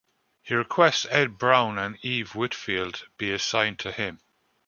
He requests Ed Brown and Eve Whitfield be assigned to him.